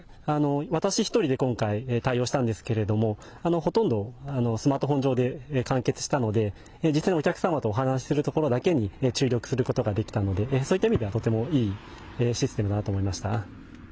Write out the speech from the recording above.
私１人で今回、対応したんですけれどもほとんどスマートフォン上で完結したので実際にお客さんとお話しするところだけに注力することができたのでそういった意味ではいいシステムだと思いました。